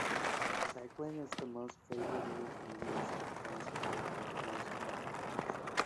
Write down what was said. Cycling is the most favourable means of transport on most of the islands.